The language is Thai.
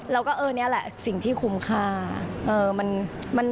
เราก็เนี่ยแหละสิ่งที่คุ้มค่า